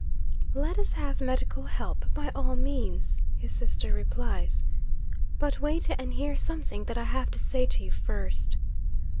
'"Let us have medical help, by all means," his sister replies. "But wait and hear something that I have to say to you first."